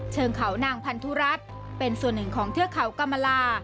เชิงเขานางพันธุรัฐเป็นส่วนหนึ่งของเทือกเขากรรมลา